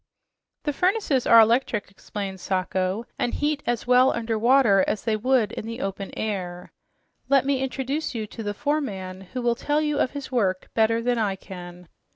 "The furnaces are electric," explained Sacho, "and heat as well under water as they would in the open air. Let me introduce you to the foreman, who will tell you of his work better than I can."